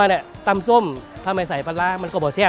มันไม่ใช่อะมันไม่นัวตำส้มถ้าไม่ใส่ปลาร้ามันก็เบาแซ่บแกงอ่อม